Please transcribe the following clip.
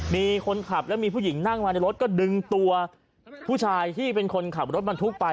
มีคนขับและมีผู้หญิงนั่งมาในรถก็ดึงตัวผู้ชายที่เป็นคนขับรถบรรทุกไป